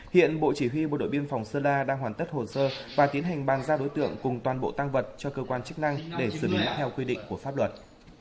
hiện bộ chỉ huy bộ đội biên phòng sơn la đang hoàn tất hồ sơ và tiến hành bàn giao đối tượng cùng toàn bộ tăng vật cho cơ quan chức năng để xử lý theo quy định của pháp luật